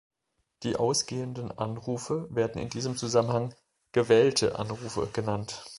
Die ausgehenden Anrufe werden in diesem Zusammenhang "gewählte" Anrufe genannt.